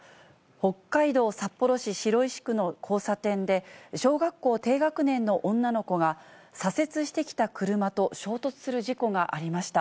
北海道札幌市白石区の交差点で、小学校低学年の女の子が、左折してきた車と衝突する事故がありました。